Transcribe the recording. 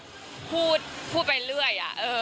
พูดแบบพูดพูดไปเรื่อยอ่ะเออ